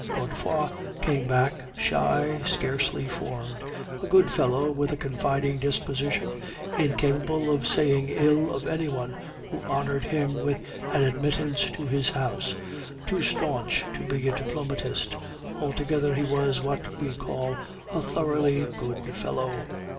Godefroid came back, shy, scarcely formed, a good fellow with a confiding disposition, incapable of saying ill of any one who honored him with an admittance to his house, too staunch to be a diplomatist, altogether he was what we call a thoroughly good fellow."